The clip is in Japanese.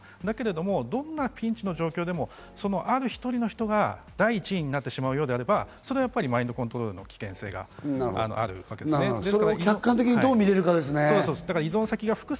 でもどんなピンチの場合でも、ある１人の人が第１位になってしまうようであれば、それはやっぱりマインドコントロールの危険性があると思うんですね。